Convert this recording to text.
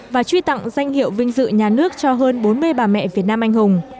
và truy tặng danh hiệu vinh dự nhà nước cho hơn bốn mươi bà mẹ việt nam anh hùng